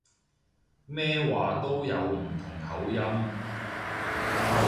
咩話都有唔同口音